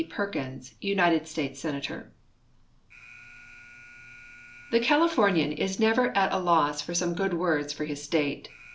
Perkixs, United States Senator The Californian is never at a loss for some good words for his state.